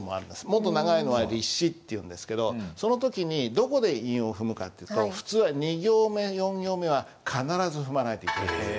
もっと長いのは「律詩」っていうんですけどその時にどこで韻を踏むかっていうと普通は二行目四行目は必ず踏まないといけないんです。